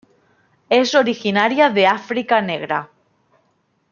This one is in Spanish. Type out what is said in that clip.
Es originaria de África negra.